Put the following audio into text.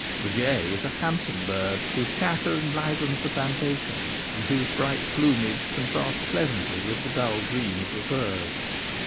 The jay is a handsome bird, whose chatter en livens the plantations, and whose bright plumage contrasts pleasantly with the dull green of the firs.